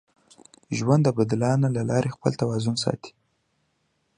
ژوند د بدلانه له لارې خپل توازن ساتي.